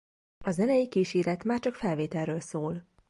A zenei kíséret már csak felvételről szól.